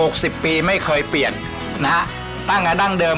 กินกันไว้อะนะครับตั้งอาดังเดิม